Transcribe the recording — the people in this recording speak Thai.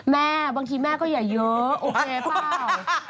แม่บางทีแม่ก็อย่าเยอะโอเคเปล่า